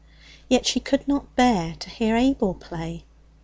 Yet she could not bear to hear Abel play.